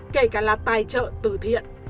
kể cả là tài trợ từ thiện